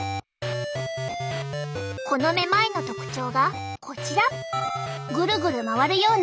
このめまいの特徴がこちら。